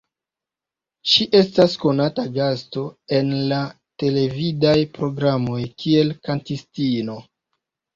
Ŝi estas konata gasto en la televidaj programoj kiel kantistino.